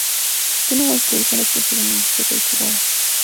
Tiene una distribución restringida en el Desierto de Chihuahua.